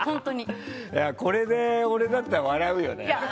いや、これで俺だったら笑うよね。